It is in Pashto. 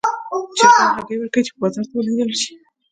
چرګان هګۍ ورکوي چې بازار ته ولېږدول شي.